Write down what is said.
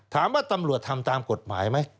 ถามว่าตำรวจทำตามกฎหมายไหม